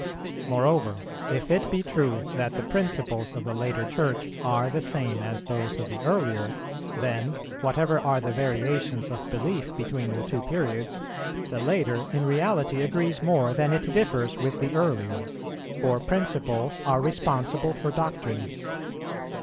Moreover, if it be true that the principles of the later Church are the same as those of the earlier, then, whatever are the variations of belief between the two periods, the later in reality agrees more than it differs with the earlier, for principles are responsible for doctrines.